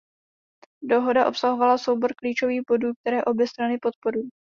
Dohoda obsahovala soubor klíčových bodů, které obě strany podporují.